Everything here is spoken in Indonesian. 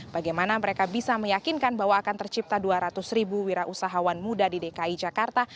bagaimana mereka bisa meyakinkan bahwa akan tercipta dua ratus ribu wira usahawan muda di dki jakarta